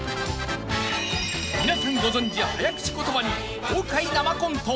［皆さんご存じ早口言葉に公開生コント］